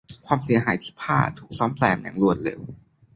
ความเสียหายที่ผ้าถูกซ่อมอย่างรวดเร็ว